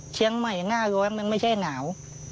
เชียงใหม่หน้าร้อนมันไม่ใช่หนาว